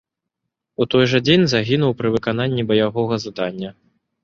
У той жа дзень загінуў пры выкананні баявога задання.